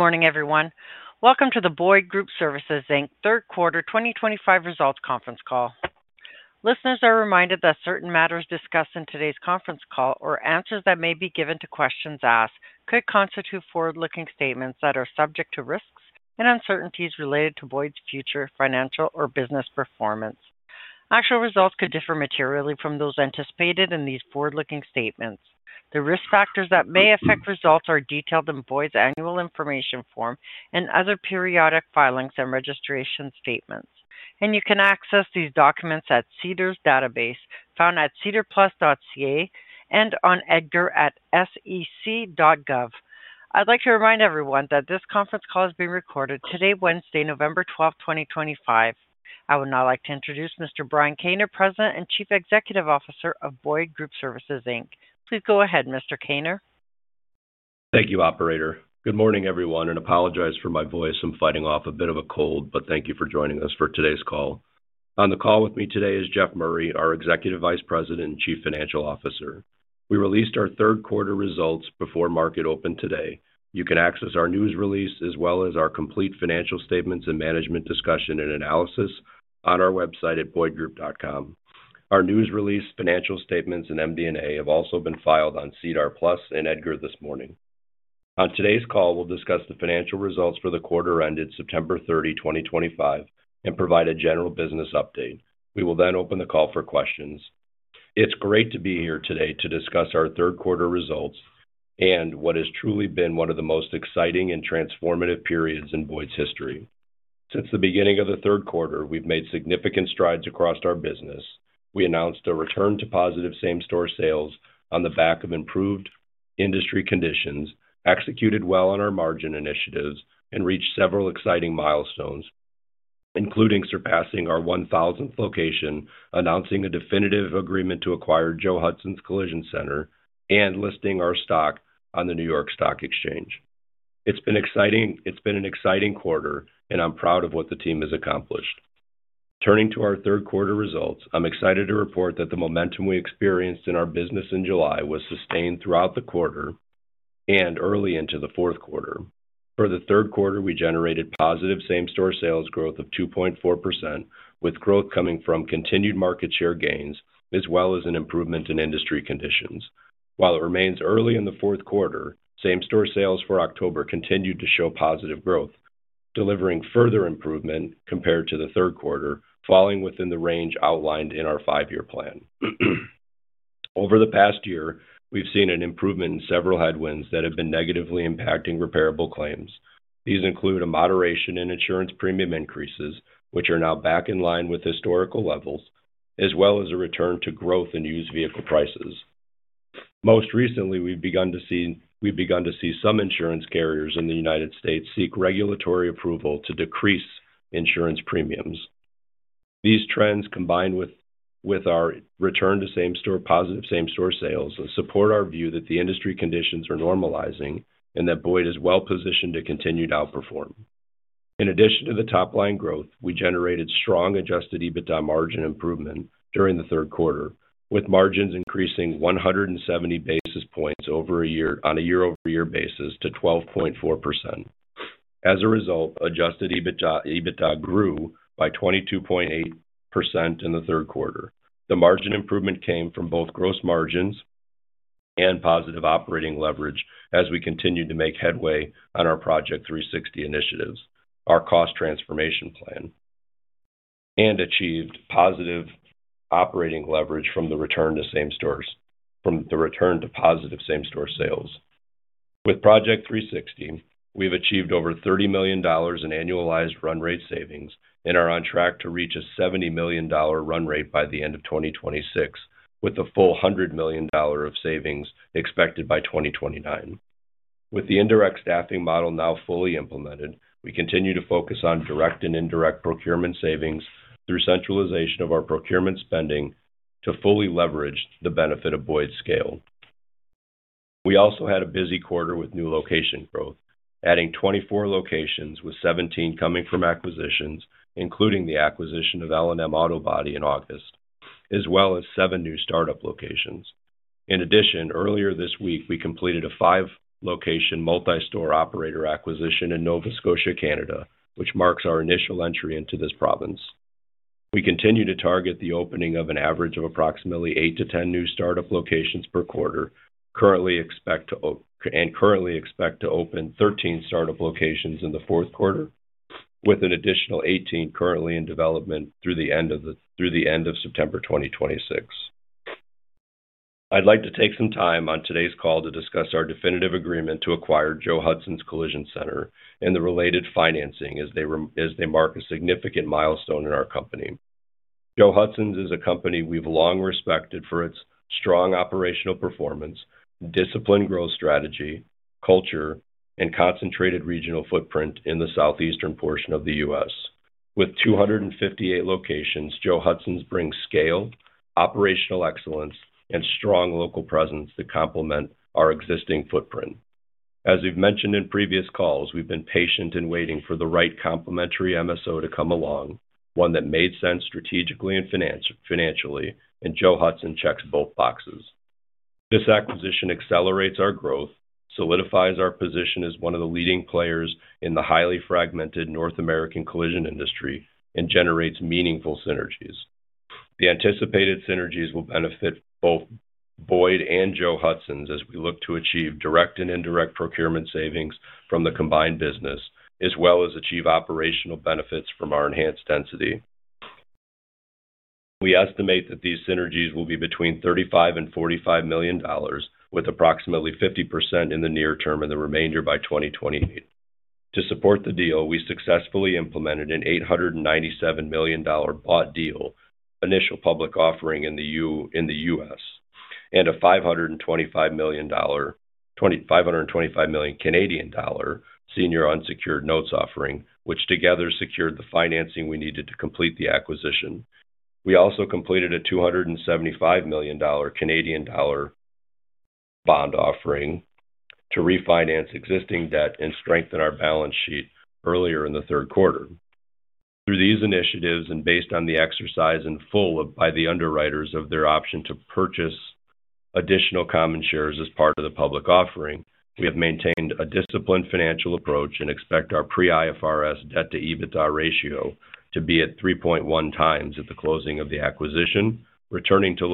Good morning, everyone. Welcome to the Boyd Group Services Third Quarter 2025 results conference call. Listeners are reminded that certain matters discussed in today's conference call or answers that may be given to questions asked could constitute forward-looking statements that are subject to risks and uncertainties related to Boyd's future financial or business performance. Actual results could differ materially from those anticipated in these forward-looking statements. The risk factors that may affect results are detailed in Boyd's annual information form and other periodic filings and registration statements. You can access these documents at SEDAR+ Database, found at sedarplus.ca, and on edgar@sec.gov. I'd like to remind everyone that this conference call is being recorded today, Wednesday, November 12, 2025. I would now like to introduce Mr. Brian Kaner, President and Chief Executive Officer of Boyd Group Services. Please go ahead, Mr. Kaner. Thank you, Operator. Good morning, everyone, and apologize for my voice. I'm fighting off a bit of a cold, but thank you for joining us for today's call. On the call with me today is Jeff Murray, our Executive Vice President and Chief Financial Officer. We released our third quarter results before market open today. You can access our news release as well as our complete financial statements and management discussion and analysis on our website at boydgroup.com. Our news release, financial statements, and MD&A have also been filed on SEDAR+ and EDGAR this morning. On today's call, we'll discuss the financial results for the quarter ended September 30, 2025, and provide a general business update. We will then open the call for questions. It's great to be here today to discuss our third quarter results and what has truly been one of the most exciting and transformative periods in Boyd's history. Since the beginning of the third quarter, we've made significant strides across our business. We announced a return to positive same-store sales on the back of improved industry conditions, executed well on our margin initiatives, and reached several exciting milestones, including surpassing our 1,000th location, announcing a definitive agreement to acquire Joe Hudson's Collision Center, and listing our stock on the New York Stock Exchange. It's been an exciting quarter, and I'm proud of what the team has accomplished. Turning to our third quarter results, I'm excited to report that the momentum we experienced in our business in July was sustained throughout the quarter and early into the fourth quarter. For the third quarter, we generated positive same-store sales growth of 2.4%, with growth coming from continued market share gains as well as an improvement in industry conditions. While it remains early in the fourth quarter, same-store sales for October continued to show positive growth, delivering further improvement compared to the third quarter, falling within the range outlined in our five-year plan. Over the past year, we've seen an improvement in several headwinds that have been negatively impacting repairable claims. These include a moderation in insurance premium increases, which are now back in line with historical levels, as well as a return to growth in used vehicle prices. Most recently, we've begun to see some insurance carriers in the U.S. seek regulatory approval to decrease insurance premiums. These trends, combined with our return to same-store positive same-store sales, support our view that the industry conditions are normalizing and that Boyd is well-positioned to continue to outperform. In addition to the top-line growth, we generated strong adjusted EBITDA margin improvement during the third quarter, with margins increasing 170 basis points on a year-over-year basis to 12.4%. As a result, adjusted EBITDA grew by 22.8% in the third quarter. The margin improvement came from both gross margins and positive operating leverage as we continued to make headway on our Project 360 initiatives, our cost transformation plan, and achieved positive operating leverage from the return to same-store sales. With Project 360, we've achieved over $30 million in annualized run rate savings and are on track to reach a $70 million run rate by the end of 2026, with a full $100 million of savings expected by 2029. With the indirect staffing model now fully implemented, we continue to focus on direct and indirect procurement savings through centralization of our procurement spending to fully leverage the benefit of Boyd's scale. We also had a busy quarter with new location growth, adding 24 locations, with 17 coming from acquisitions, including the acquisition of L&M Auto Body in August, as well as seven new startup locations. In addition, earlier this week, we completed a five-location multi-store operator acquisition in Nova Scotia, Canada, which marks our initial entry into this province. We continue to target the opening of an average of approximately 8-10 new startup locations per quarter and currently expect to open 13 startup locations in the fourth quarter, with an additional 18 currently in development through the end of September 2026. I'd like to take some time on today's call to discuss our definitive agreement to acquire Joe Hudson's Collision Center and the related financing as they mark a significant milestone in our company. Joe Hudson's is a company we've long respected for its strong operational performance, disciplined growth strategy, culture, and concentrated regional footprint in the southeastern portion of the U.S. With 258 locations, Joe Hudson's brings scale, operational excellence, and strong local presence to complement our existing footprint. As we've mentioned in previous calls, we've been patient in waiting for the right complementary MSO to come along, one that made sense strategically and financially, and Joe Hudson checks both boxes. This acquisition accelerates our growth, solidifies our position as one of the leading players in the highly fragmented North American collision industry, and generates meaningful synergies. The anticipated synergies will benefit both Boyd and Joe Hudson's as we look to achieve direct and indirect procurement savings from the combined business, as well as achieve operational benefits from our enhanced density. We estimate that these synergies will be between $35 million and $45 million, with approximately 50% in the near term and the remainder by 2028. To support the deal, we successfully implemented an $897 million bought deal initial public offering in the U.S. and a 525 million dollar Canadian senior unsecured notes offering, which together secured the financing we needed to complete the acquisition. We also completed a 275 million Canadian dollar Canadian bond offering to refinance existing debt and strengthen our balance sheet earlier in the third quarter. Through these initiatives and based on the exercise in full by the underwriters of their option to purchase additional common shares as part of the public offering, we have maintained a disciplined financial approach and expect our pre-IFRS debt-to-EBITDA ratio to be at 3.1x at the closing of the acquisition, returning to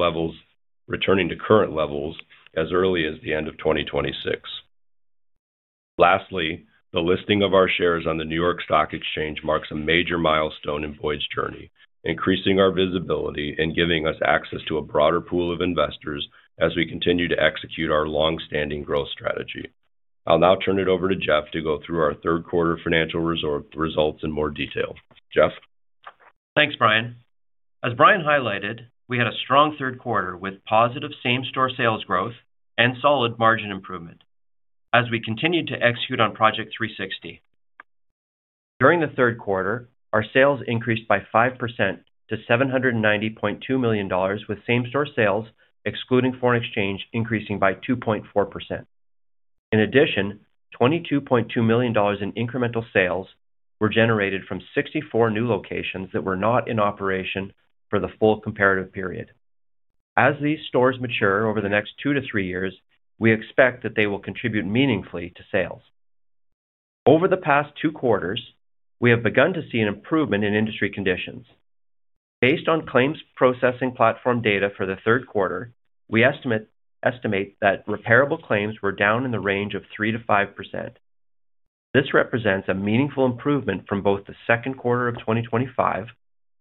current levels as early as the end of 2026. Lastly, the listing of our shares on the New York Stock Exchange marks a major milestone in Boyd's journey, increasing our visibility and giving us access to a broader pool of investors as we continue to execute our long-standing growth strategy. I'll now turn it over to Jeff to go through our third quarter financial results in more detail. Jeff? Thanks, Brian. As Brian highlighted, we had a strong third quarter with positive same-store sales growth and solid margin improvement as we continued to execute on Project 360. During the third quarter, our sales increased by 5% to $790.2 million, with same-store sales excluding foreign exchange increasing by 2.4%. In addition, $22.2 million in incremental sales were generated from 64 new locations that were not in operation for the full comparative period. As these stores mature over the next two to three years, we expect that they will contribute meaningfully to sales. Over the past two quarters, we have begun to see an improvement in industry conditions. Based on claims processing platform data for the third quarter, we estimate that repairable claims were down in the range of 3%-5%. This represents a meaningful improvement from both the second quarter of 2025,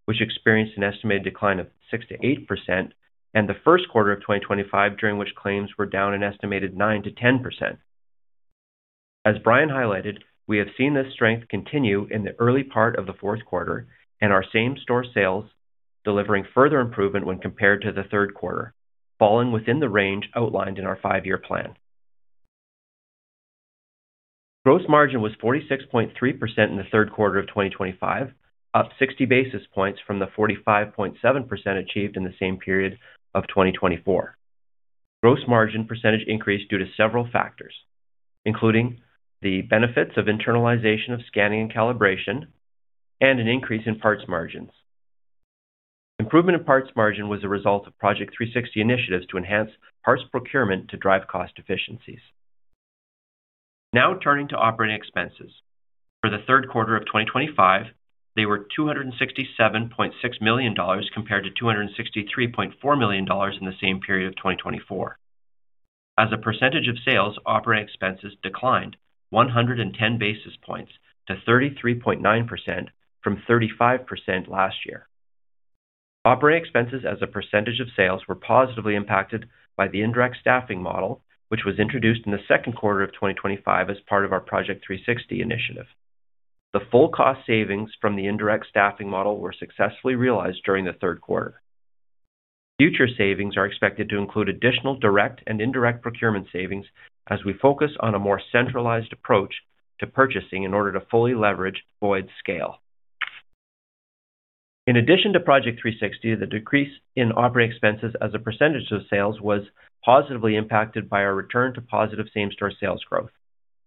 which experienced an estimated decline of 6%-8%, and the first quarter of 2025, during which claims were down an estimated 9%-10%. As Brian highlighted, we have seen this strength continue in the early part of the fourth quarter and our same-store sales delivering further improvement when compared to the third quarter, falling within the range outlined in our five-year plan. Gross margin was 46.3% in the third quarter of 2025, up 60 basis points from the 45.7% achieved in the same period of 2024. Gross margin percentage increased due to several factors, including the benefits of internalization of scanning and calibration and an increase in parts margins. Improvement in parts margin was a result of Project 360 initiatives to enhance parts procurement to drive cost efficiencies. Now turning to operating expenses. For the third quarter of 2025, they were $267.6 million compared to $263.4 million in the same period of 2024. As a percentage of sales, operating expenses declined 110 basis points to 33.9% from 35% last year. Operating expenses as a percentage of sales were positively impacted by the indirect staffing model, which was introduced in the second quarter of 2025 as part of our Project 360 initiative. The full cost savings from the indirect staffing model were successfully realized during the third quarter. Future savings are expected to include additional direct and indirect procurement savings as we focus on a more centralized approach to purchasing in order to fully leverage Boyd's scale. In addition to Project 360, the decrease in operating expenses as a percentage of sales was positively impacted by our return to positive same-store sales growth,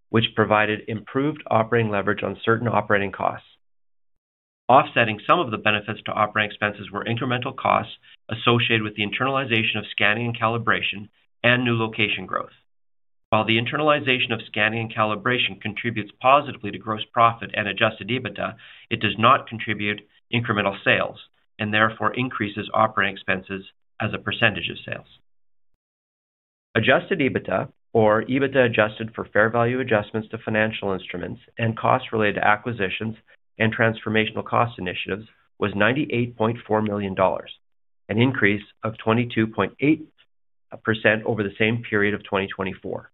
which provided improved operating leverage on certain operating costs. Offsetting some of the benefits to operating expenses were incremental costs associated with the internalization of scanning and calibration and new location growth. While the internalization of scanning and calibration contributes positively to gross profit and adjusted EBITDA, it does not contribute incremental sales and therefore increases operating expenses as a percentage of sales. Adjusted EBITDA, or EBITDA adjusted for fair value adjustments to financial instruments and costs related to acquisitions and transformational cost initiatives, was $98.4 million, an increase of 22.8% over the same period of 2024.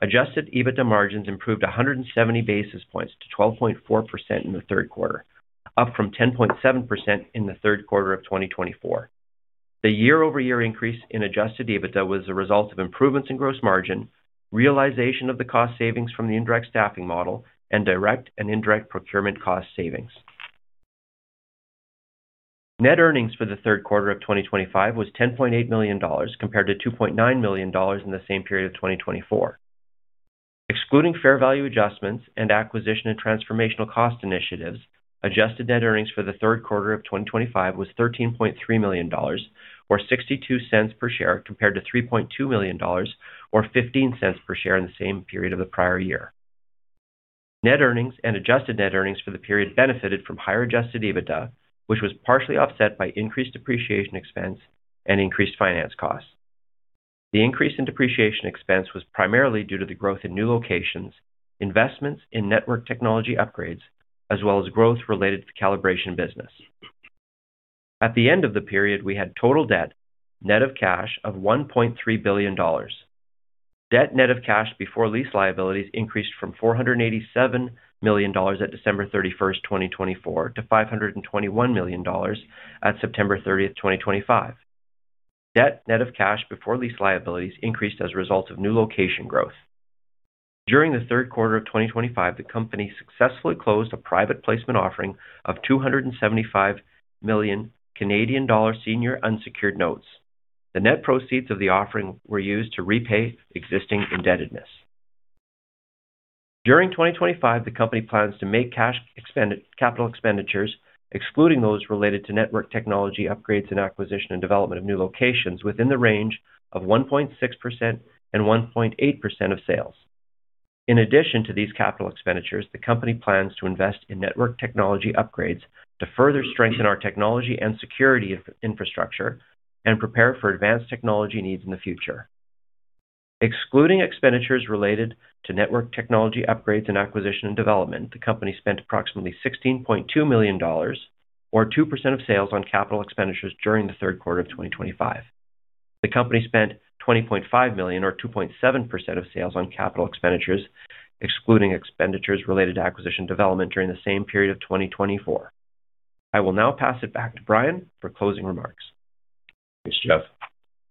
Adjusted EBITDA margins improved 170 basis points to 12.4% in the third quarter, up from 10.7% in the third quarter of 2024. The year-over-year increase in adjusted EBITDA was a result of improvements in gross margin, realization of the cost savings from the indirect staffing model, and direct and indirect procurement cost savings. Net earnings for the third quarter of 2025 was $10.8 million compared to $2.9 million in the same period of 2024. Excluding fair value adjustments and acquisition and transformational cost initiatives, adjusted net earnings for the third quarter of 2025 was $13.3 million, or $0.62 per share, compared to $3.2 million, or $0.15 per share in the same period of the prior year. Net earnings and adjusted net earnings for the period benefited from higher adjusted EBITDA, which was partially offset by increased depreciation expense and increased finance costs. The increase in depreciation expense was primarily due to the growth in new locations, investments in network technology upgrades, as well as growth related to the calibration business. At the end of the period, we had total debt net of cash of $1.3 billion. Debt net of cash before lease liabilities increased from $487 million at December 31, 2024, to $521 million at September 30, 2025. Debt net of cash before lease liabilities increased as a result of new location growth. During the third quarter of 2025, the company successfully closed a private placement offering of 275 million Canadian dollar senior unsecured notes. The net proceeds of the offering were used to repay existing indebtedness. During 2025, the company plans to make cash capital expenditures, excluding those related to network technology upgrades and acquisition and development of new locations, within the range of 1.6%-1.8% of sales. In addition to these capital expenditures, the company plans to invest in network technology upgrades to further strengthen our technology and security infrastructure and prepare for advanced technology needs in the future. Excluding expenditures related to network technology upgrades and acquisition and development, the company spent approximately $16.2 million, or 2% of sales, on capital expenditures during the third quarter of 2025. The company spent $20.5 million, or 2.7% of sales, on capital expenditures, excluding expenditures related to acquisition and development during the same period of 2024. I will now pass it back to Brian for closing remarks. Thanks, Jeff.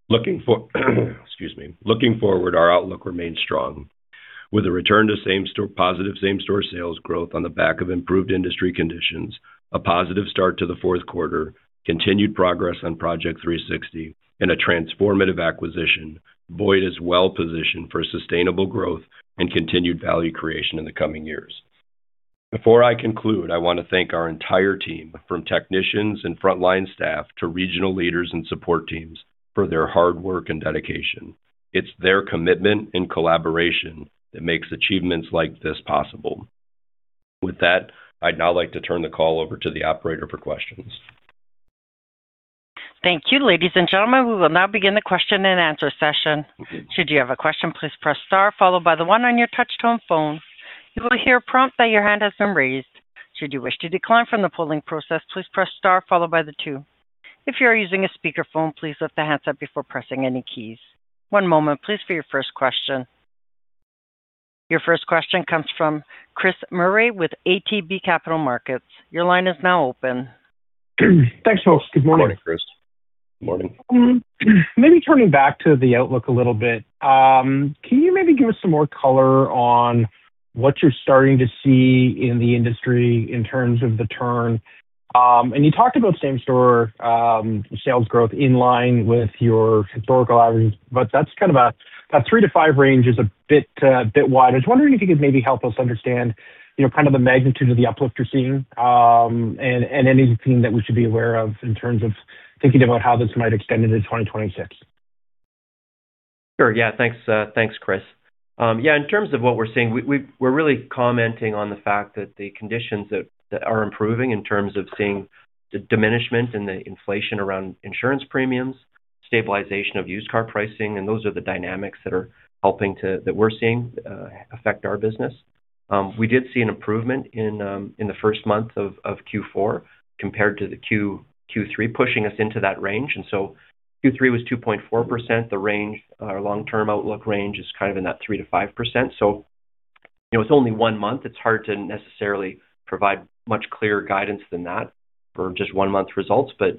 Looking forward, our outlook remains strong. With a return to positive same-store sales growth on the back of improved industry conditions, a positive start to the fourth quarter, continued progress on Project 360, and a transformative acquisition, Boyd is well-positioned for sustainable growth and continued value creation in the coming years. Before I conclude, I want to thank our entire team, from technicians and frontline staff to regional leaders and support teams, for their hard work and dedication. It's their commitment and collaboration that makes achievements like this possible. With that, I'd now like to turn the call over to the operator for questions. Thank you, ladies and gentlemen. We will now begin the question and answer session. Should you have a question, please press star, followed by the one on your touch-tone phone. You will hear a prompt that your hand has been raised. Should you wish to decline from the polling process, please press star, followed by the two. If you are using a speakerphone, please lift the handset before pressing any keys. One moment, please, for your first question. Your first question comes from Chris Murray with ATB Capital Markets. Your line is now open. Thanks, folks. Good morning. Good morning, Chris. Good morning. Maybe turning back to the outlook a little bit, can you maybe give us some more color on what you're starting to see in the industry in terms of the turn? You talked about same-store sales growth in line with your historical average, but that kind of three to five range is a bit wide. I was wondering if you could maybe help us understand kind of the magnitude of the uplift you're seeing and anything that we should be aware of in terms of thinking about how this might extend into 2026. Sure. Yeah. Thanks, Chris. Yeah. In terms of what we're seeing, we're really commenting on the fact that the conditions are improving in terms of seeing the diminishment in the inflation around insurance premiums, stabilization of used car pricing, and those are the dynamics that are helping that we're seeing affect our business. We did see an improvement in the first month of Q4 compared to Q3, pushing us into that range. Q3 was 2.4%. The range, our long-term outlook range, is kind of in that 3%-5%. It's only one month. It's hard to necessarily provide much clearer guidance than that for just one-month results, but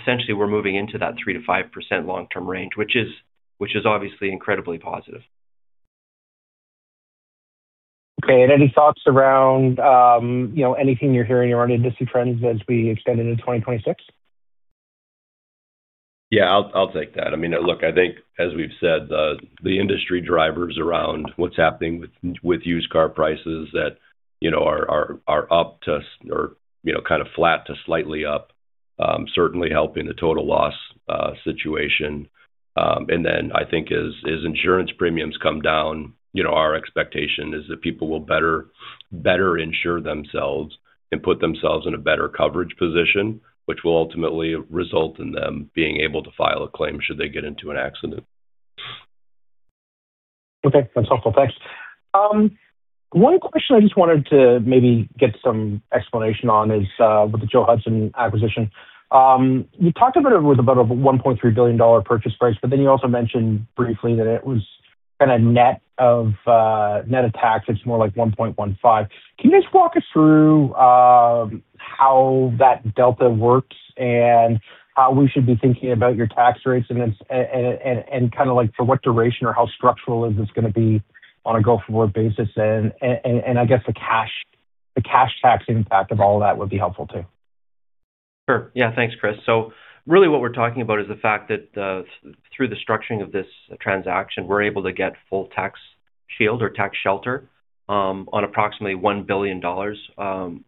essentially, we're moving into that 3%-5% long-term range, which is obviously incredibly positive. Okay. Any thoughts around anything you're hearing around industry trends as we extend into 2026? Yeah. I'll take that. I mean, look, I think, as we've said, the industry drivers around what's happening with used car prices that are up to or kind of flat to slightly up certainly helping the total loss situation. I think as insurance premiums come down, our expectation is that people will better insure themselves and put themselves in a better coverage position, which will ultimately result in them being able to file a claim should they get into an accident. Okay. That's helpful. Thanks. One question I just wanted to maybe get some explanation on is with the Joe Hudson acquisition. You talked a bit about a $1.3 billion purchase price, but then you also mentioned briefly that it was kind of net of net of tax. It's more like $1.15 billion. Can you just walk us through how that delta works and how we should be thinking about your tax rates and kind of for what duration or how structural is this going to be on a go-forward basis? I guess the cash tax impact of all of that would be helpful too. Sure. Yeah. Thanks, Chris. So really what we're talking about is the fact that through the structuring of this transaction, we're able to get full tax shield or tax shelter on approximately $1 billion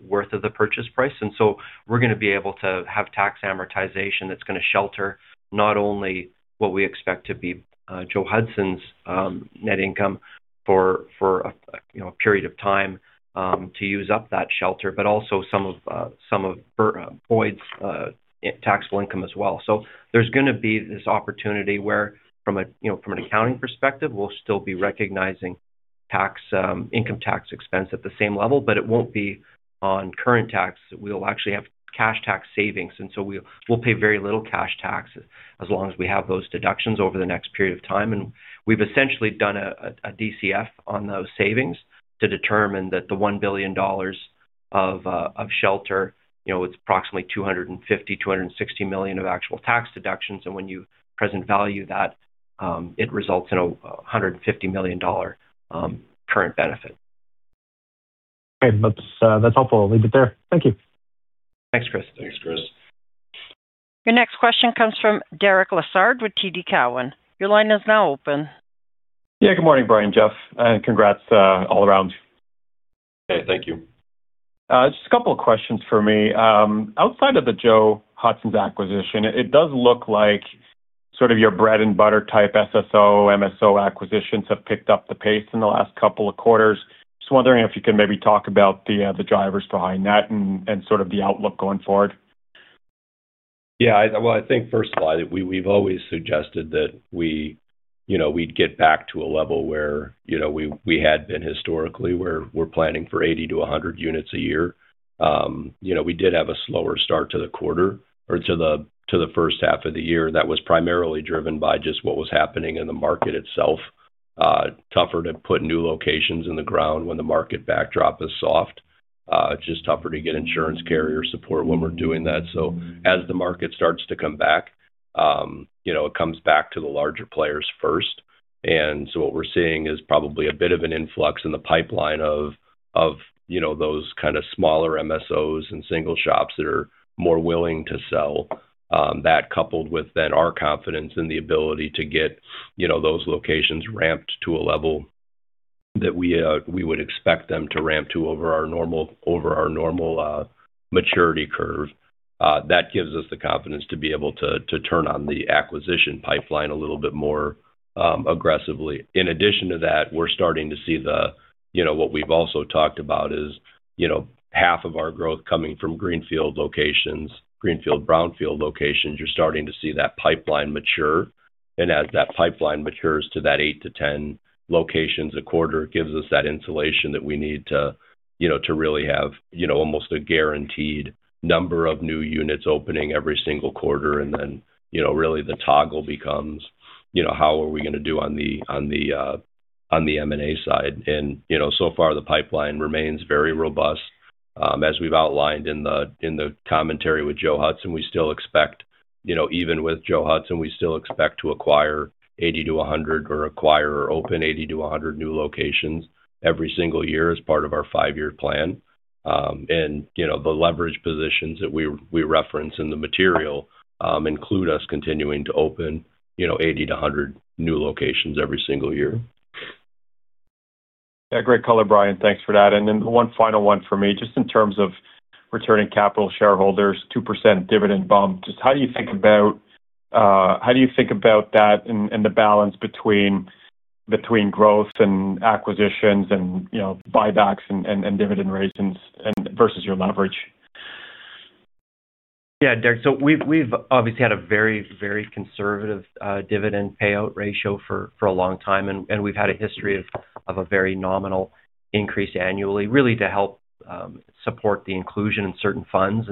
worth of the purchase price. And so we're going to be able to have tax amortization that's going to shelter not only what we expect to be Joe Hudson's net income for a period of time to use up that shelter, but also some of Boyd's taxable income as well. So there's going to be this opportunity where from an accounting perspective, we'll still be recognizing income tax expense at the same level, but it won't be on current tax. We'll actually have cash tax savings. And so we'll pay very little cash tax as long as we have those deductions over the next period of time. We've essentially done a DCF on those savings to determine that the $1 billion of shelter, it's approximately $250 million-$260 million of actual tax deductions. When you present value that, it results in a $150 million current benefit. Okay. That's helpful. I'll leave it there. Thank you. Thanks, Chris. Thanks, Chris. Your next question comes from Derek Lassard with TD Cowen. Your line is now open. Yeah. Good morning, Brian, Jeff. And congrats all around. Okay. Thank you. Just a couple of questions for me. Outside of the Joe Hudson's acquisition, it does look like sort of your bread-and-butter type SSO, MSO acquisitions have picked up the pace in the last couple of quarters. Just wondering if you can maybe talk about the drivers behind that and sort of the outlook going forward. Yeah. I think first of all, we've always suggested that we'd get back to a level where we had been historically, where we're planning for 80-100 units a year. We did have a slower start to the quarter or to the first half of the year. That was primarily driven by just what was happening in the market itself. Tougher to put new locations in the ground when the market backdrop is soft. It's just tougher to get insurance carrier support when we're doing that. As the market starts to come back, it comes back to the larger players first. What we're seeing is probably a bit of an influx in the pipeline of those kind of smaller MSOs and single shops that are more willing to sell. That coupled with then our confidence in the ability to get those locations ramped to a level that we would expect them to ramp to over our normal maturity curve. That gives us the confidence to be able to turn on the acquisition pipeline a little bit more aggressively. In addition to that, we're starting to see the what we've also talked about is half of our growth coming from greenfield locations, greenfield brownfield locations. You're starting to see that pipeline mature. As that pipeline matures to that 8-10 locations a quarter, it gives us that insulation that we need to really have almost a guaranteed number of new units opening every single quarter. Really the toggle becomes, how are we going to do on the M&A side? So far, the pipeline remains very robust. As we've outlined in the commentary with Joe Hudson, we still expect, even with Joe Hudson, to acquire or open 80-100 new locations every single year as part of our five-year plan. The leverage positions that we reference in the material include us continuing to open 80-100 new locations every single year. Yeah. Great color, Brian. Thanks for that. And then one final one for me. Just in terms of returning capital to shareholders, 2% dividend bump. Just how do you think about that and the balance between growth and acquisitions and buybacks and dividend raisings versus your leverage? Yeah, Derek. We have obviously had a very, very conservative dividend payout ratio for a long time. We have had a history of a very nominal increase annually, really to help support the inclusion in certain funds.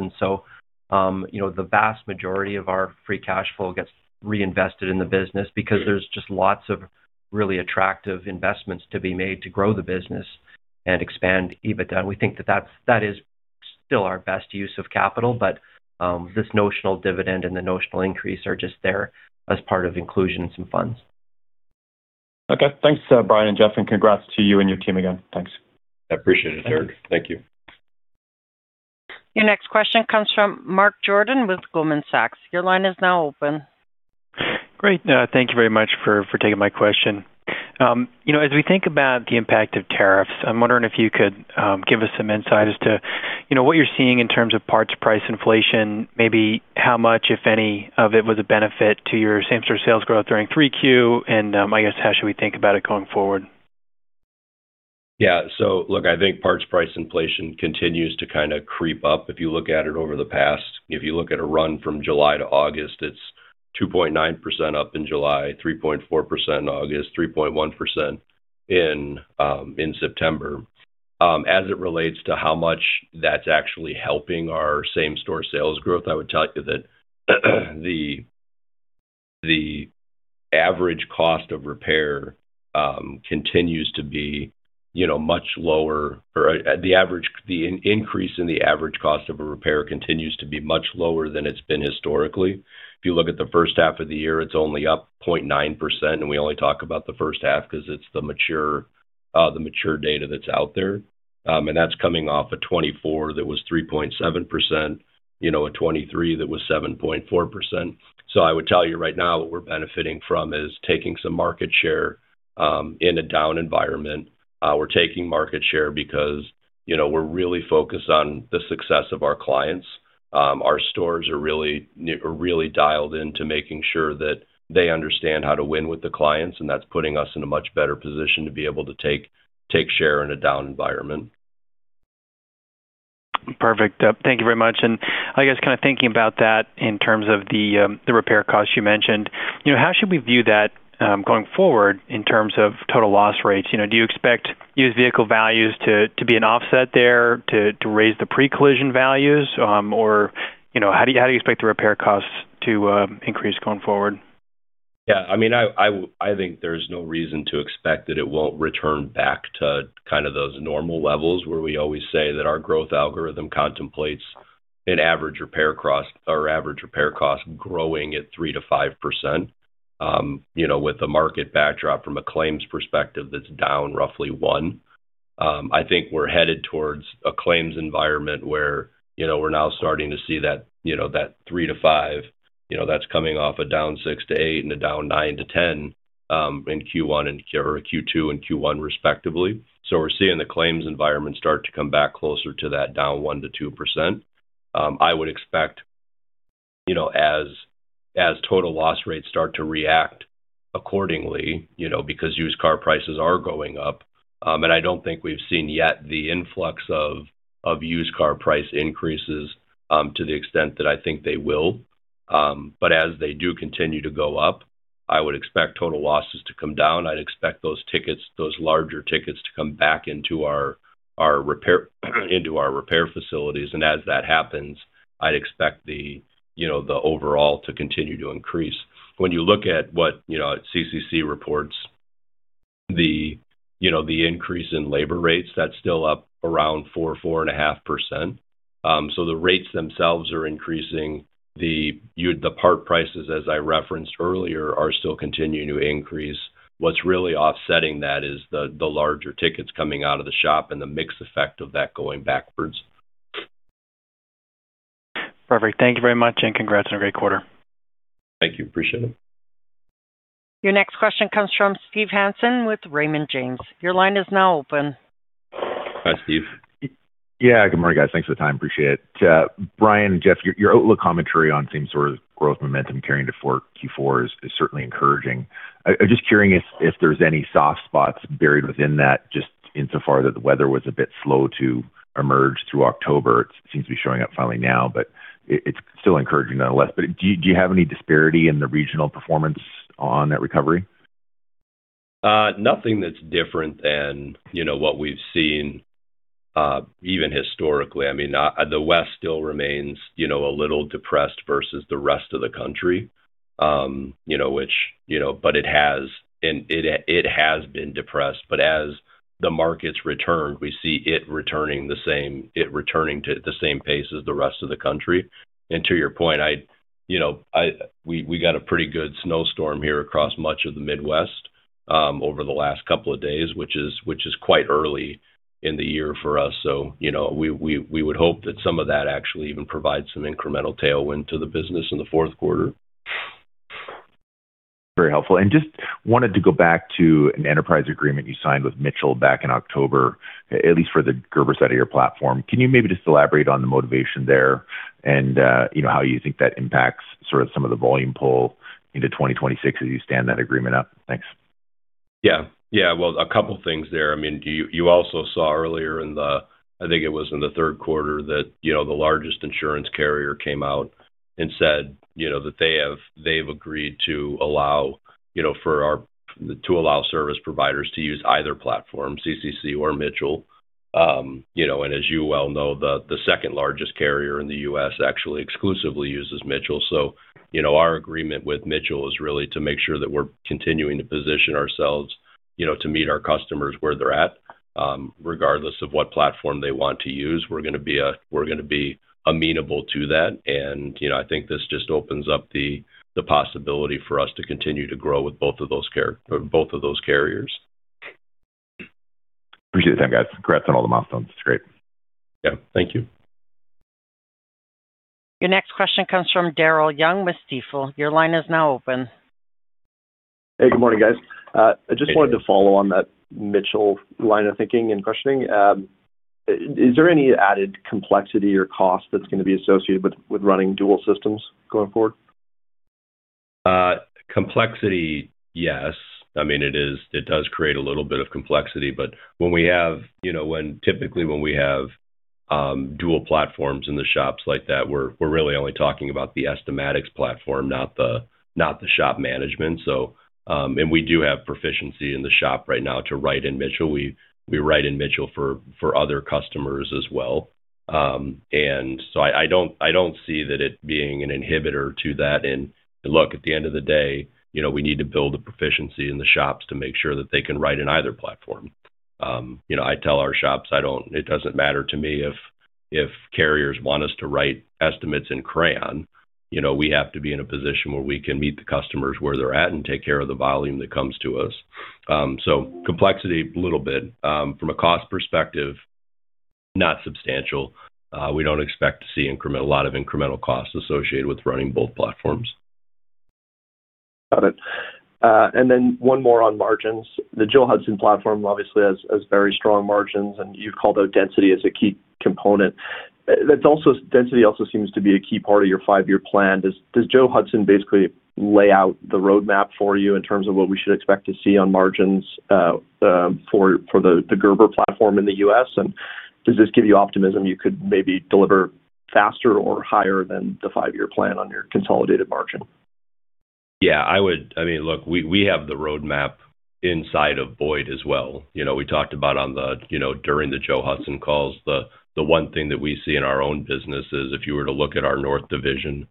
The vast majority of our free cash flow gets reinvested in the business because there are just lots of really attractive investments to be made to grow the business and expand EBITDA. We think that that is still our best use of capital, but this notional dividend and the notional increase are just there as part of inclusion in some funds. Okay. Thanks, Brian and Jeff. Congrats to you and your team again. Thanks. I appreciate it, Derek. Thank you. Your next question comes from Mark Jordan with Goldman Sachs. Your line is now open. Great. Thank you very much for taking my question. As we think about the impact of tariffs, I'm wondering if you could give us some insight as to what you're seeing in terms of parts price inflation, maybe how much, if any, of it was a benefit to your same-store sales growth during 3Q? I guess, how should we think about it going forward? Yeah. So look, I think parts price inflation continues to kind of creep up. If you look at it over the past, if you look at a run from July to August, it's 2.9% up in July, 3.4% in August, 3.1% in September. As it relates to how much that's actually helping our same-store sales growth, I would tell you that the average cost of repair continues to be much lower or the increase in the average cost of a repair continues to be much lower than it's been historically. If you look at the first half of the year, it's only up 0.9%. And we only talk about the first half because it's the mature data that's out there. And that's coming off a 2024 that was 3.7%, a 2023 that was 7.4%. I would tell you right now what we're benefiting from is taking some market share in a down environment. We're taking market share because we're really focused on the success of our clients. Our stores are really dialed into making sure that they understand how to win with the clients. That's putting us in a much better position to be able to take share in a down environment. Perfect. Thank you very much. I guess kind of thinking about that in terms of the repair costs you mentioned, how should we view that going forward in terms of total loss rates? Do you expect used vehicle values to be an offset there to raise the pre-collision values, or how do you expect the repair costs to increase going forward? Yeah. I mean, I think there's no reason to expect that it won't return back to kind of those normal levels where we always say that our growth algorithm contemplates an average repair cost or average repair cost growing at 3%-5% with a market backdrop from a claims perspective that's down roughly 1%. I think we're headed towards a claims environment where we're now starting to see that 3%-5%, that's coming off a down 6%-8% and a down 9%-10% in Q1 or Q2 and Q1 respectively. We're seeing the claims environment start to come back closer to that down 1%-2%. I would expect as total loss rates start to react accordingly because used car prices are going up. I do not think we have seen yet the influx of used car price increases to the extent that I think they will. As they do continue to go up, I would expect total losses to come down. I would expect those tickets, those larger tickets to come back into our repair facilities. As that happens, I would expect the overall to continue to increase. When you look at what CCC reports, the increase in labor rates is still up around 4%-4.5%. The rates themselves are increasing. The part prices, as I referenced earlier, are still continuing to increase. What is really offsetting that is the larger tickets coming out of the shop and the mixed effect of that going backwards. Perfect. Thank you very much. Congrats on a great quarter. Thank you. Appreciate it. Your next question comes from Steve Hansen with Raymond James. Your line is now open. Hi, Steve. Yeah. Good morning, guys. Thanks for the time. Appreciate it. Brian and Jeff, your outlook commentary on same-store growth momentum carrying to Q4 is certainly encouraging. I'm just curious if there's any soft spots buried within that just insofar that the weather was a bit slow to emerge through October. It seems to be showing up finally now, but it's still encouraging nonetheless. Do you have any disparity in the regional performance on that recovery? Nothing that's different than what we've seen even historically. I mean, the West still remains a little depressed versus the rest of the country, which, but it has been depressed. As the markets returned, we see it returning to the same pace as the rest of the country. To your point, we got a pretty good snowstorm here across much of the Midwest over the last couple of days, which is quite early in the year for us. We would hope that some of that actually even provides some incremental tailwind to the business in the fourth quarter. Very helpful. I just wanted to go back to an enterprise agreement you signed with Mitchell back in October, at least for the Gerber side of your platform. Can you maybe just elaborate on the motivation there and how you think that impacts sort of some of the volume pull into 2026 as you stand that agreement up? Thanks. Yeah. Yeah. A couple of things there. I mean, you also saw earlier in the, I think it was in the third quarter, that the largest insurance carrier came out and said that they've agreed to allow service providers to use either platform, CCC or Mitchell. As you well know, the second largest carrier in the U.S. actually exclusively uses Mitchell. Our agreement with Mitchell is really to make sure that we're continuing to position ourselves to meet our customers where they're at. Regardless of what platform they want to use, we're going to be amenable to that. I think this just opens up the possibility for us to continue to grow with both of those carriers. Appreciate it, guys. Congrats on all the milestones. It's great. Yeah. Thank you. Your next question comes from Daryl Young with Stifel. Your line is now open. Hey, good morning, guys. I just wanted to follow on that Mitchell line of thinking and questioning. Is there any added complexity or cost that's going to be associated with running dual systems going forward? Complexity, yes. I mean, it does create a little bit of complexity. When we have, typically when we have dual platforms in the shops like that, we're really only talking about the estimating platform, not the shop management. We do have proficiency in the shop right now to write in Mitchell. We write in Mitchell for other customers as well. I don't see that being an inhibitor to that. At the end of the day, we need to build the proficiency in the shops to make sure that they can write in either platform. I tell our shops, it doesn't matter to me if carriers want us to write estimates in CCC. We have to be in a position where we can meet the customers where they're at and take care of the volume that comes to us. Complexity, a little bit. From a cost perspective, not substantial. We don't expect to see a lot of incremental costs associated with running both platforms. Got it. And then one more on margins. The Joe Hudson platform obviously has very strong margins. And you've called out density as a key component. Density also seems to be a key part of your five-year plan. Does Joe Hudson basically lay out the roadmap for you in terms of what we should expect to see on margins for the Gerber platform in the US? And does this give you optimism you could maybe deliver faster or higher than the five-year plan on your consolidated margin? Yeah. I mean, look, we have the roadmap inside of Boyd as well. We talked about on the during the Joe Hudson calls, the one thing that we see in our own business is if you were to look at our North division,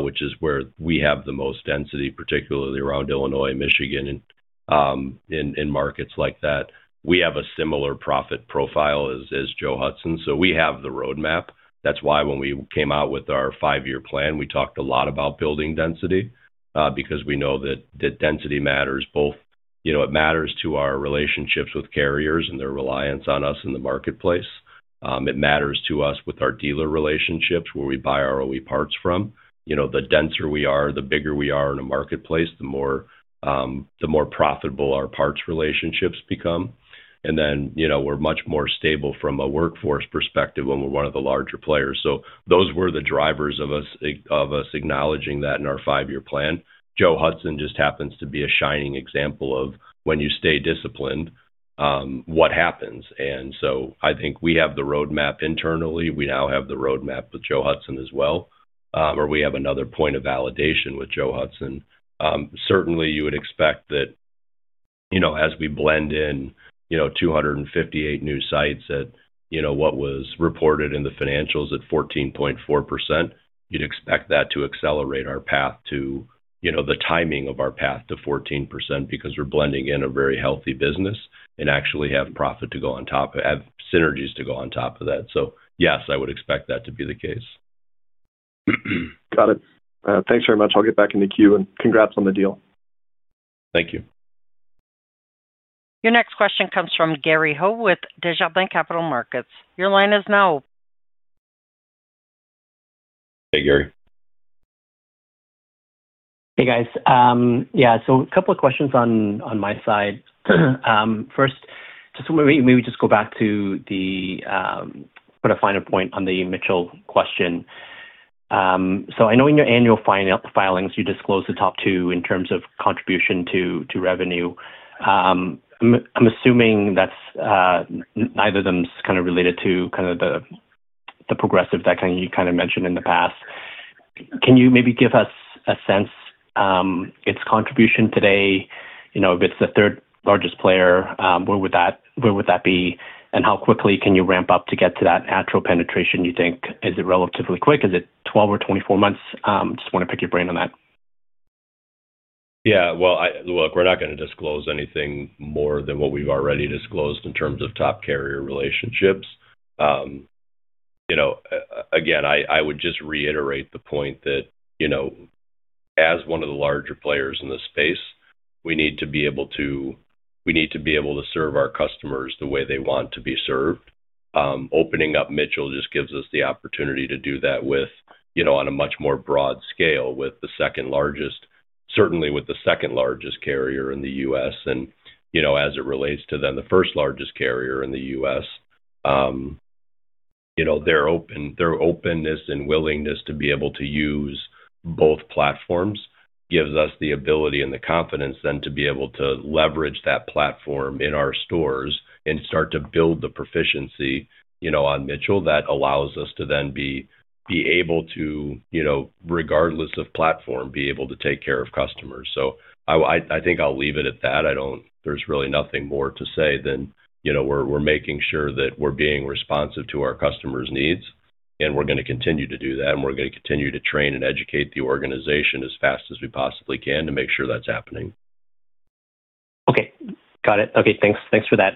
which is where we have the most density, particularly around Illinois, Michigan, and in markets like that, we have a similar profit profile as Joe Hudson. So we have the roadmap. That's why when we came out with our five-year plan, we talked a lot about building density because we know that density matters both it matters to our relationships with carriers and their reliance on us in the marketplace. It matters to us with our dealer relationships where we buy our OE parts from. The denser we are, the bigger we are in a marketplace, the more profitable our parts relationships become. We are much more stable from a workforce perspective when we are one of the larger players. Those were the drivers of us acknowledging that in our five-year plan. Joe Hudson just happens to be a shining example of when you stay disciplined, what happens. I think we have the roadmap internally. We now have the roadmap with Joe Hudson as well. We have another point of validation with Joe Hudson. Certainly, you would expect that as we blend in 258 new sites at what was reported in the financials at 14.4%, you would expect that to accelerate our path to the timing of our path to 14% because we are blending in a very healthy business and actually have profit to go on top of, have synergies to go on top of that. Yes, I would expect that to be the case. Got it. Thanks very much. I'll get back into Q. And congrats on the deal. Thank you. Your next question comes from Gary Ho with Desjardins Capital Markets. Your line is now open. Hey, Gary. Hey, guys. Yeah. A couple of questions on my side. First, just maybe go back to put a final point on the Mitchell question. I know in your annual filings, you disclose the top two in terms of contribution to revenue. I'm assuming that's neither of them is kind of related to the Progressive that you kind of mentioned in the past. Can you maybe give us a sense of its contribution today? If it's the third largest player, where would that be? How quickly can you ramp up to get to that actual penetration, you think? Is it relatively quick? Is it 12 or 24 months? Just want to pick your brain on that. Yeah. Look, we're not going to disclose anything more than what we've already disclosed in terms of top carrier relationships. Again, I would just reiterate the point that as one of the larger players in the space, we need to be able to serve our customers the way they want to be served. Opening up Mitchell just gives us the opportunity to do that on a much more broad scale with the second largest, certainly with the second largest carrier in the U.S. As it relates to the first largest carrier in the U.S., their openness and willingness to be able to use both platforms gives us the ability and the confidence to leverage that platform in our stores and start to build the proficiency on Mitchell that allows us to, regardless of platform, be able to take care of customers. I think I'll leave it at that. There's really nothing more to say than we're making sure that we're being responsive to our customers' needs. We're going to continue to do that. We're going to continue to train and educate the organization as fast as we possibly can to make sure that's happening. Okay. Got it. Okay. Thanks for that.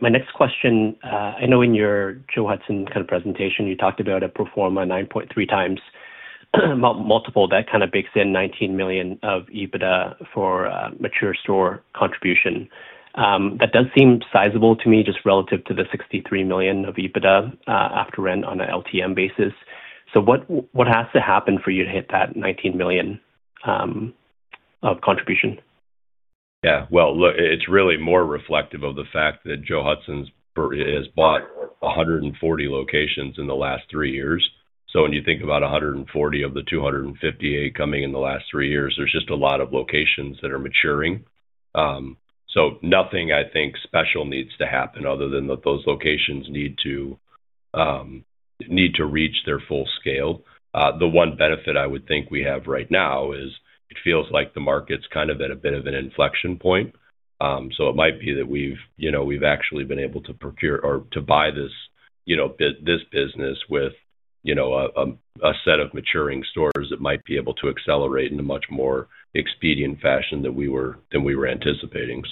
My next question, I know in your Joe Hudson kind of presentation, you talked about a pro forma 9.3x multiple that kind of bakes in $19 million of EBITDA for mature store contribution. That does seem sizable to me just relative to the $63 million of EBITDA after rent on an LTM basis. What has to happen for you to hit that $19 million of contribution? Yeah. Look, it's really more reflective of the fact that Joe Hudson has bought 140 locations in the last three years. When you think about 140 of the 258 coming in the last three years, there's just a lot of locations that are maturing. Nothing, I think, special needs to happen other than that those locations need to reach their full scale. The one benefit I would think we have right now is it feels like the market's kind of at a bit of an inflection point. It might be that we've actually been able to procure or to buy this business with a set of maturing stores that might be able to accelerate in a much more expedient fashion than we were anticipating.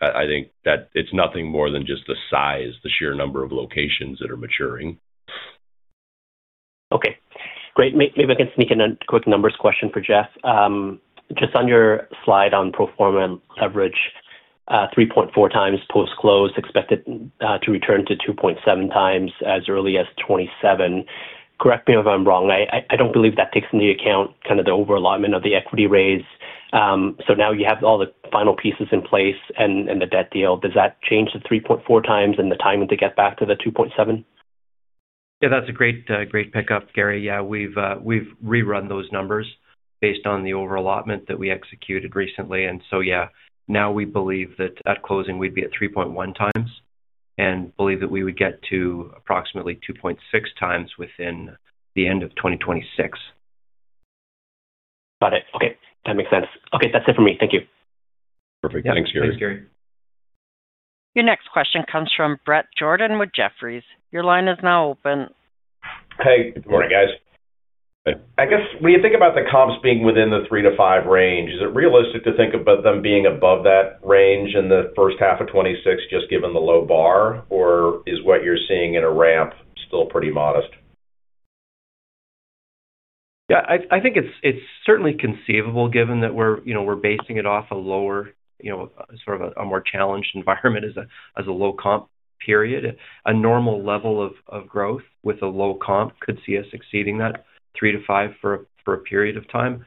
I think that it's nothing more than just the size, the sheer number of locations that are maturing. Okay. Great. Maybe I can sneak in a quick numbers question for Jeff. Just on your slide on Proforma leverage, 3.4 times post-close expected to return to 2.7x as early as 2027. Correct me if I'm wrong. I don't believe that takes into account kind of the overallotment of the equity raise. So now you have all the final pieces in place and the debt deal. Does that change the 3.4x and the timing to get back to the 2.7? Yeah. That's a great pickup, Gary. Yeah. We've rerun those numbers based on the overallotment that we executed recently. Yeah, now we believe that at closing, we'd be at 3.1x and believe that we would get to approximately 2.6x within the end of 2026. Got it. Okay. That makes sense. Okay. That's it for me. Thank you. Perfect. Thanks, Gary. Thanks, Gary. Your next question comes from Bret Jordan with Jefferies. Your line is now open. Hey. Good morning, guys. I guess when you think about the comps being within the 3%-5% range, is it realistic to think about them being above that range in the first half of 2026 just given the low bar? Or is what you're seeing in a ramp still pretty modest? Yeah. I think it's certainly conceivable given that we're basing it off a lower sort of a more challenged environment as a low comp period. A normal level of growth with a low comp could see us exceeding that 3%-5% for a period of time.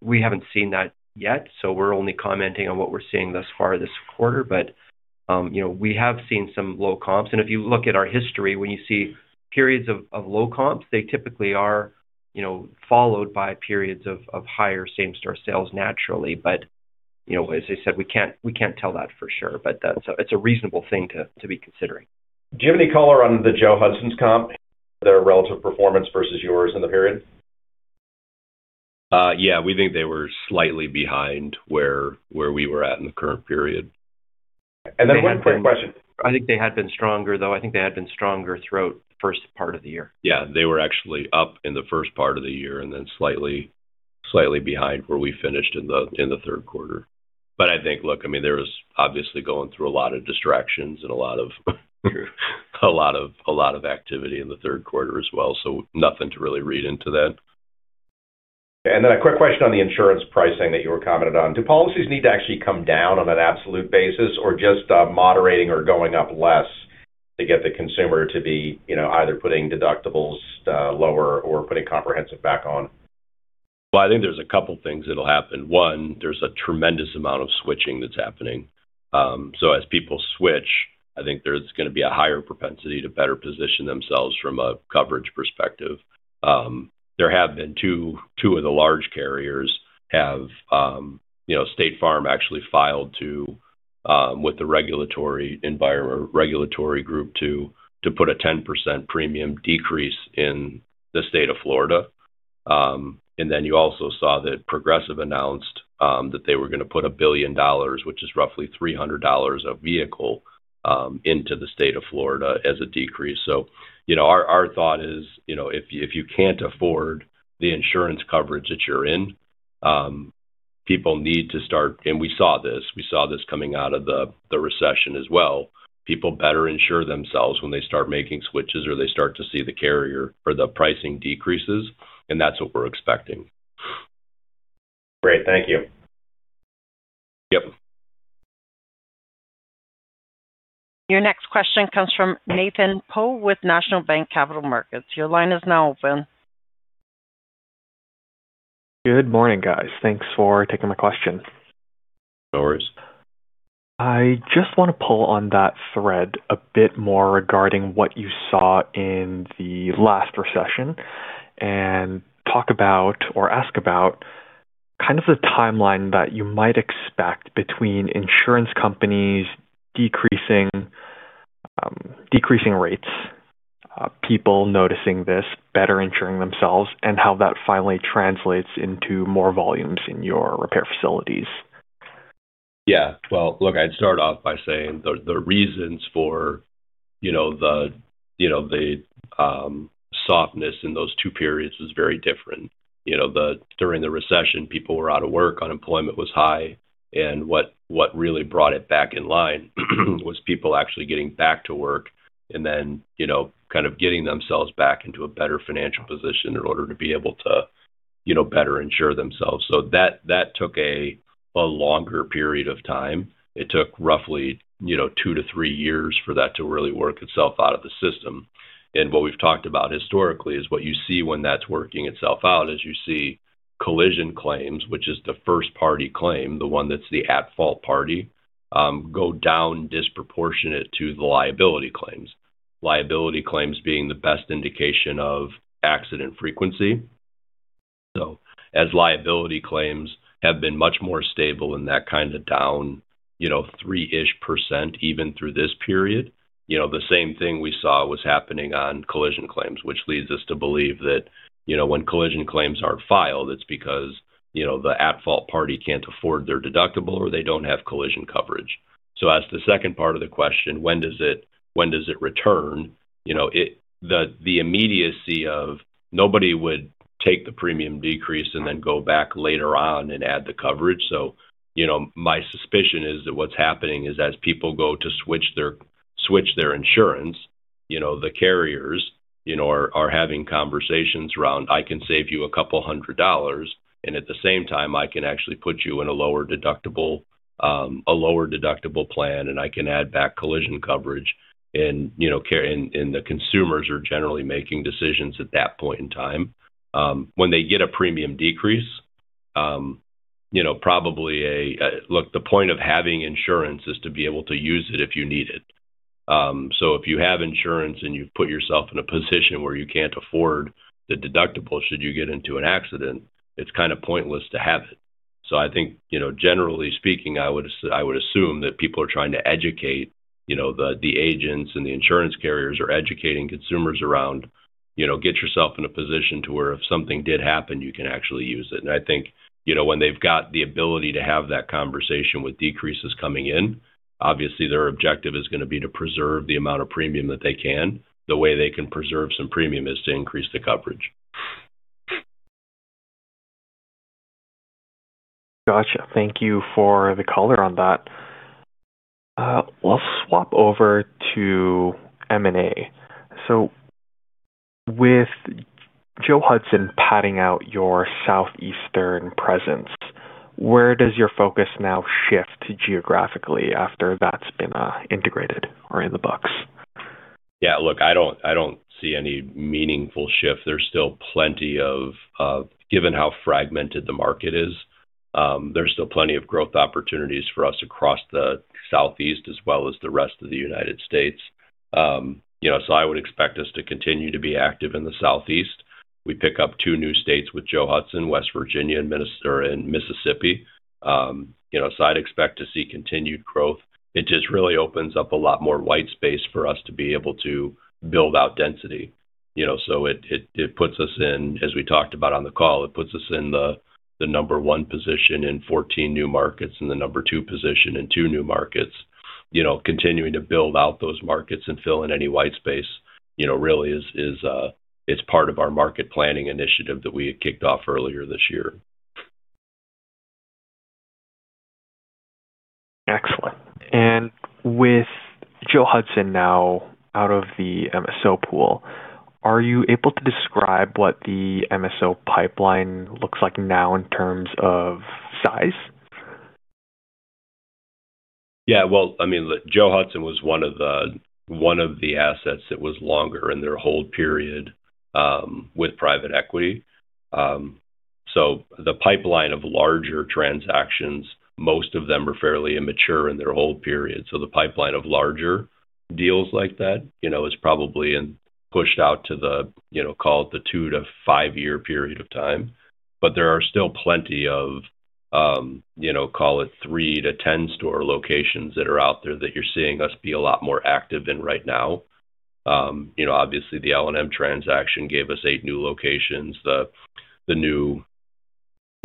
We haven't seen that yet. We are only commenting on what we're seeing thus far this quarter. We have seen some low comps. If you look at our history, when you see periods of low comps, they typically are followed by periods of higher same-store sales naturally. As I said, we can't tell that for sure. It is a reasonable thing to be considering. Do you have any color on the Joe Hudson's comp, their relative performance versus yours in the period? Yeah. We think they were slightly behind where we were at in the current period. Okay. And then one quick question. I think they had been stronger, though. I think they had been stronger throughout the first part of the year. Yeah. They were actually up in the first part of the year and then slightly behind where we finished in the third quarter. I think, look, I mean, they were obviously going through a lot of distractions and a lot of activity in the third quarter as well. Nothing to really read into that. Okay. A quick question on the insurance pricing that you were commenting on. Do policies need to actually come down on an absolute basis or just moderating or going up less to get the consumer to be either putting deductibles lower or putting comprehensive back on? I think there's a couple of things that'll happen. One, there's a tremendous amount of switching that's happening. As people switch, I think there's going to be a higher propensity to better position themselves from a coverage perspective. Two of the large carriers have, State Farm actually filed with the regulatory group to put a 10% premium decrease in the state of Florida. You also saw that Progressive announced that they were going to put $1 billion, which is roughly $300 a vehicle, into the state of Florida as a decrease. Our thought is if you can't afford the insurance coverage that you're in, people need to start, and we saw this. We saw this coming out of the recession as well. People better insure themselves when they start making switches or they start to see the carrier or the pricing decreases. That is what we're expecting. Great. Thank you. Yep. Your next question comes from Nathan Poe with National Bank Capital Markets. Your line is now open. Good morning, guys. Thanks for taking my question. No worries. I just want to pull on that thread a bit more regarding what you saw in the last recession and talk about or ask about kind of the timeline that you might expect between insurance companies decreasing rates, people noticing this, better insuring themselves, and how that finally translates into more volumes in your repair facilities. Yeah. Look, I'd start off by saying the reasons for the softness in those two periods was very different. During the recession, people were out of work. Unemployment was high. What really brought it back in line was people actually getting back to work and then kind of getting themselves back into a better financial position in order to be able to better insure themselves. That took a longer period of time. It took roughly two to three years for that to really work itself out of the system. What we've talked about historically is what you see when that's working itself out is you see collision claims, which is the first-party claim, the one that's the at-fault party, go down disproportionate to the liability claims. Liability claims being the best indication of accident frequency. As liability claims have been much more stable in that kind of down 3%-ish even through this period, the same thing we saw was happening on collision claims, which leads us to believe that when collision claims are not filed, it is because the at-fault party cannot afford their deductible or they do not have collision coverage. As to the second part of the question, when does it return? The immediacy of nobody would take the premium decrease and then go back later on and add the coverage. My suspicion is that what is happening is as people go to switch their insurance, the carriers are having conversations around, "I can save you a couple hundred dollars. And at the same time, I can actually put you in a lower deductible plan, and I can add back collision coverage." The consumers are generally making decisions at that point in time. When they get a premium decrease, probably a look, the point of having insurance is to be able to use it if you need it. If you have insurance and you have put yourself in a position where you cannot afford the deductible should you get into an accident, it is kind of pointless to have it. I think, generally speaking, I would assume that people are trying to educate the agents and the insurance carriers or educating consumers around, "Get yourself in a position to where if something did happen, you can actually use it." I think when they have got the ability to have that conversation with decreases coming in, obviously, their objective is going to be to preserve the amount of premium that they can. The way they can preserve some premium is to increase the coverage. Gotcha. Thank you for the color on that. We'll swap over to M&A. With Joe Hudson patting out your southeastern presence, where does your focus now shift geographically after that's been integrated or in the books? Yeah. Look, I don't see any meaningful shift. There's still plenty of, given how fragmented the market is, there's still plenty of growth opportunities for us across the Southeast as well as the rest of the United States. I would expect us to continue to be active in the Southeast. We pick up two new states with Joe Hudson, West Virginia and Mississippi. I would expect to see continued growth. It just really opens up a lot more white space for us to be able to build out density. It puts us in, as we talked about on the call, it puts us in the number one position in 14 new markets and the number two position in two new markets. Continuing to build out those markets and fill in any white space really is part of our market planning initiative that we had kicked off earlier this year. Excellent. With Joe Hudson now out of the MSO pool, are you able to describe what the MSO pipeline looks like now in terms of size? Yeah. I mean, look, Joe Hudson was one of the assets that was longer in their hold period with private equity. The pipeline of larger transactions, most of them were fairly immature in their hold period. The pipeline of larger deals like that is probably pushed out to the, call it the two- to five-year period of time. There are still plenty of, call it three- to ten-store locations that are out there that you're seeing us be a lot more active in right now. Obviously, the L&M transaction gave us eight new locations. The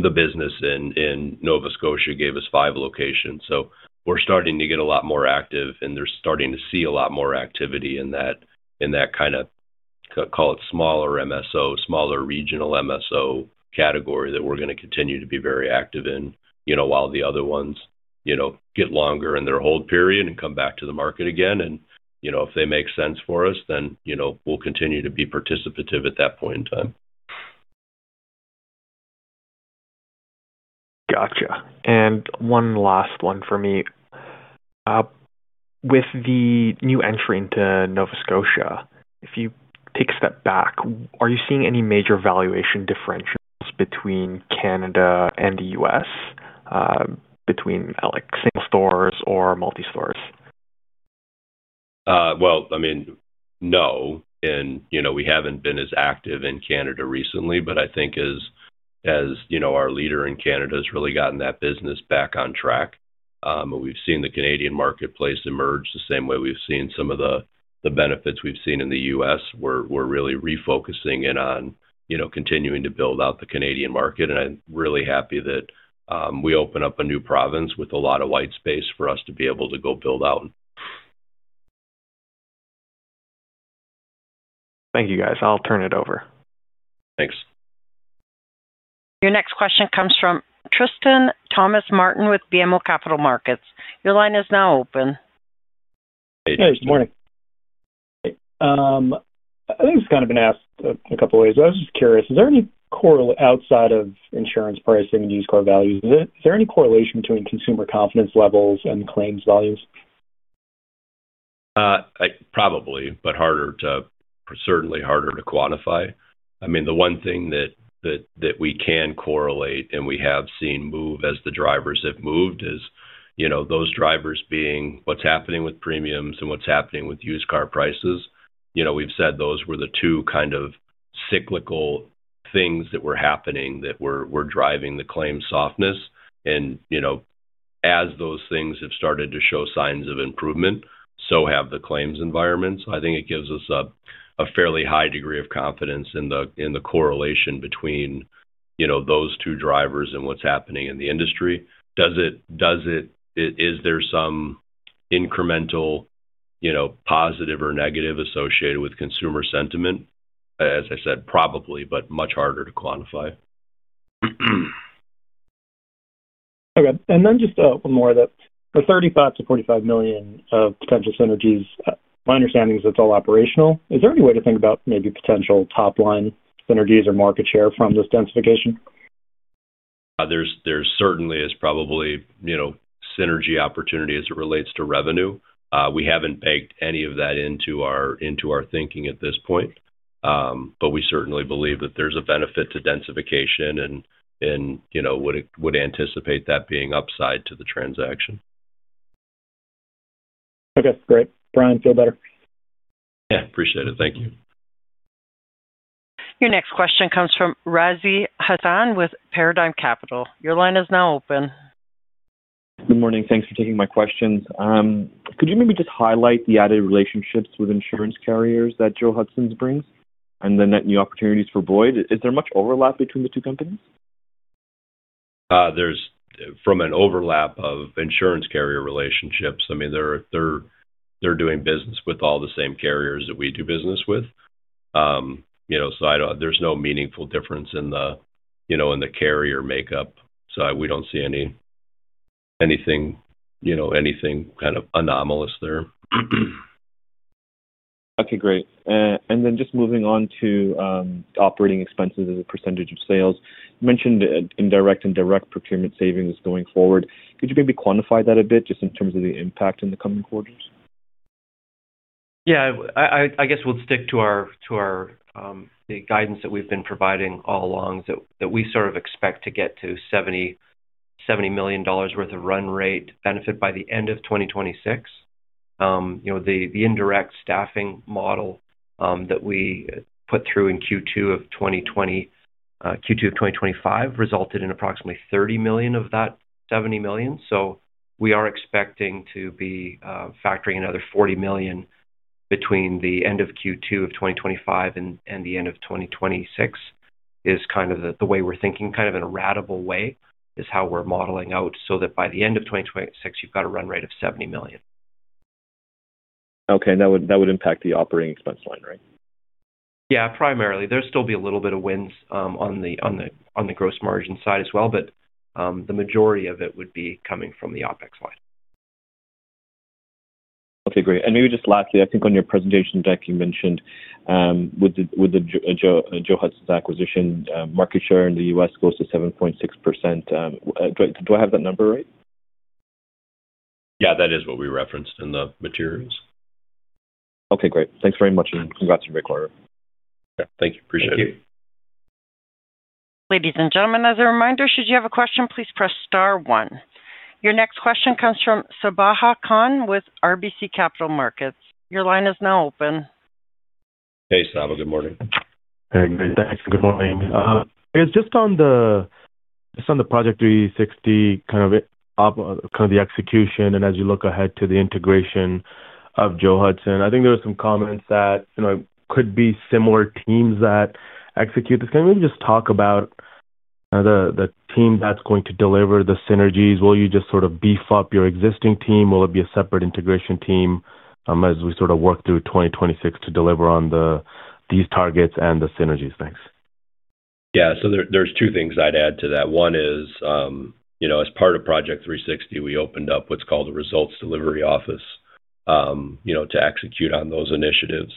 business in Nova Scotia gave us five locations. We're starting to get a lot more active, and they're starting to see a lot more activity in that kind of, call it smaller MSO, smaller regional MSO category that we're going to continue to be very active in while the other ones get longer in their hold period and come back to the market again. If they make sense for us, then we'll continue to be participative at that point in time. Gotcha. One last one for me. With the new entry into Nova Scotia, if you take a step back, are you seeing any major valuation differentials between Canada and the US, between single stores or multi-stores? I mean, no. We have not been as active in Canada recently, but I think as our leader in Canada has really gotten that business back on track, we have seen the Canadian marketplace emerge the same way we have seen some of the benefits we have seen in the US. We are really refocusing in on continuing to build out the Canadian market. I am really happy that we open up a new province with a lot of white space for us to be able to go build out. Thank you, guys. I'll turn it over. Thanks. Your next question comes from Tristan Thomas Martin with BMO Capital Markets. Your line is now open. Hey. Good morning. I think it's kind of been asked a couple of ways. I was just curious, is there any, outside of insurance pricing and used car values, is there any correlation between consumer confidence levels and claims values? Probably, but certainly harder to quantify. I mean, the one thing that we can correlate and we have seen move as the drivers have moved is those drivers being what's happening with premiums and what's happening with used car prices. We've said those were the two kind of cyclical things that were happening that were driving the claim softness. As those things have started to show signs of improvement, so have the claims environments. I think it gives us a fairly high degree of confidence in the correlation between those two drivers and what's happening in the industry. Is there some incremental positive or negative associated with consumer sentiment? As I said, probably, but much harder to quantify. Okay. And then just one more of that. The $35 million-$45 million of potential synergies, my understanding is it's all operational. Is there any way to think about maybe potential top-line synergies or market share from this densification? There certainly is probably synergy opportunity as it relates to revenue. We haven't baked any of that into our thinking at this point, but we certainly believe that there's a benefit to densification and would anticipate that being upside to the transaction. Okay. Great. Brian, feel better? Yeah. Appreciate it. Thank you. Your next question comes from Razi Hasan with Paradigm Capital. Your line is now open. Good morning. Thanks for taking my questions. Could you maybe just highlight the added relationships with insurance carriers that Joe Hudson's brings and the net new opportunities for Boyd? Is there much overlap between the two companies? There's from an overlap of insurance carrier relationships. I mean, they're doing business with all the same carriers that we do business with. So there's no meaningful difference in the carrier makeup. We don't see anything kind of anomalous there. Okay. Great. Just moving on to operating expenses as a percentage of sales. You mentioned indirect and direct procurement savings going forward. Could you maybe quantify that a bit just in terms of the impact in the coming quarters? Yeah. I guess we'll stick to the guidance that we've been providing all along that we sort of expect to get to $70 million worth of run rate benefit by the end of 2026. The indirect staffing model that we put through in Q2 of 2020, Q2 of 2025, resulted in approximately $30 million of that $70 million. We are expecting to be factoring another $40 million between the end of Q2 of 2025 and the end of 2026 is kind of the way we're thinking kind of in a ratable way is how we're modeling out so that by the end of 2026, you've got a run rate of $70 million. Okay. That would impact the operating expense line, right? Yeah. Primarily. There'll still be a little bit of wins on the gross margin side as well, but the majority of it would be coming from the OpEx line. Okay. Great. Maybe just lastly, I think on your presentation deck, you mentioned with Joe Hudson's acquisition, market share in the US goes to 7.6%. Do I have that number right? Yeah. That is what we referenced in the materials. Okay. Great. Thanks very much. Congrats on the breakout room. Yeah. Thank you. Appreciate it. Ladies and gentlemen, as a reminder, should you have a question, please press star one. Your next question comes from Sabahat Khan with RBC Capital Markets. Your line is now open. Hey, Sabahat. Good morning. Hey. Thanks. Good morning. I guess just on the project 360, kind of the execution and as you look ahead to the integration of Joe Hudson, I think there were some comments that it could be similar teams that execute this. Can you maybe just talk about the team that's going to deliver the synergies? Will you just sort of beef up your existing team? Will it be a separate integration team as we sort of work through 2026 to deliver on these targets and the synergies? Thanks. Yeah. There are two things I'd add to that. One is, as part of project 360, we opened up what's called the results delivery office to execute on those initiatives.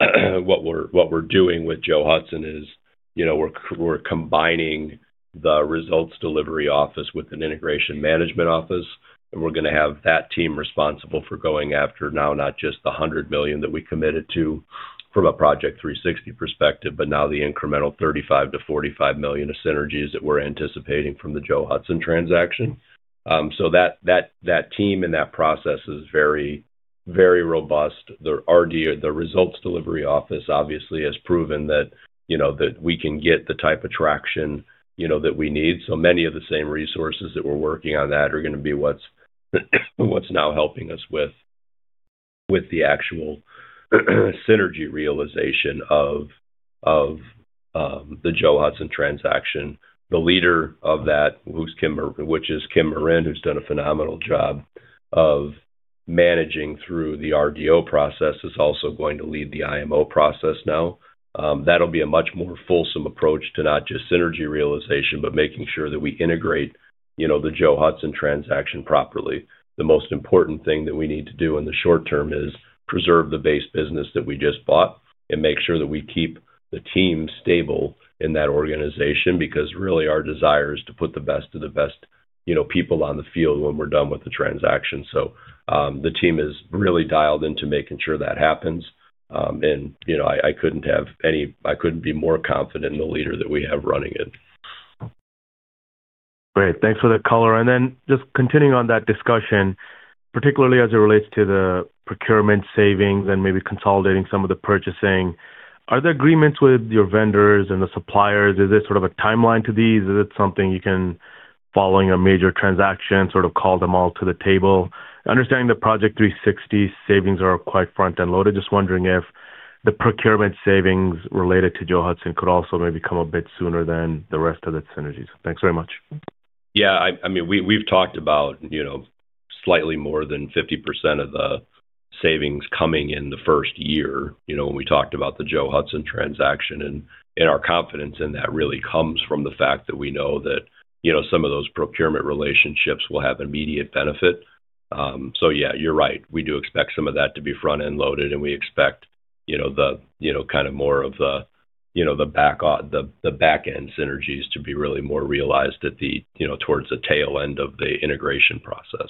What we're doing with Joe Hudson is we're combining the results delivery office with an integration management office, and we're going to have that team responsible for going after now not just the $100 million that we committed to from a project 360 perspective, but now the incremental $35 million-$45 million of synergies that we're anticipating from the Joe Hudson transaction. That team and that process is very robust. The results delivery office, obviously, has proven that we can get the type of traction that we need. Many of the same resources that were working on that are going to be what's now helping us with the actual synergy realization of the Joe Hudson transaction. The leader of that, which is Kim Morin, who's done a phenomenal job of managing through the RDO process, is also going to lead the IMO process now. That'll be a much more fulsome approach to not just synergy realization, but making sure that we integrate the Joe Hudson transaction properly. The most important thing that we need to do in the short term is preserve the base business that we just bought and make sure that we keep the team stable in that organization because really our desire is to put the best of the best people on the field when we're done with the transaction. The team is really dialed into making sure that happens. I couldn't be more confident in the leader that we have running it. Great. Thanks for that color. Just continuing on that discussion, particularly as it relates to the procurement savings and maybe consolidating some of the purchasing, are there agreements with your vendors and the suppliers? Is there sort of a timeline to these? Is it something you can, following a major transaction, sort of call them all to the table? Understanding the Project 360 savings are quite front-end loaded. Just wondering if the procurement savings related to Joe Hudson could also maybe come a bit sooner than the rest of the synergies. Thanks very much. Yeah. I mean, we've talked about slightly more than 50% of the savings coming in the first year when we talked about the Joe Hudson transaction. And our confidence in that really comes from the fact that we know that some of those procurement relationships will have immediate benefit. So yeah, you're right. We do expect some of that to be front-end loaded, and we expect the kind of more of the back-end synergies to be really more realized towards the tail end of the integration process.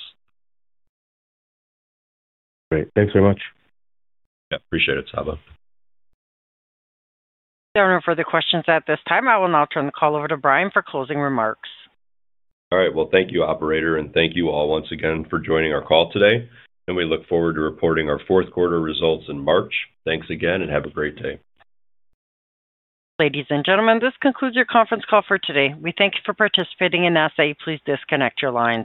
Great. Thanks very much. Yeah. Appreciate it, Saba. There are no further questions at this time. I will now turn the call over to Brian for closing remarks. All right. Thank you, operator, and thank you all once again for joining our call today. We look forward to reporting our fourth quarter results in March. Thanks again, and have a great day. Ladies and gentlemen, this concludes your conference call for today. We thank you for participating in Boyd Group Services. Please disconnect your lines.